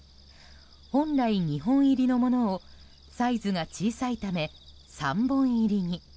本来２本入りのものをサイズが小さいため３本入りに。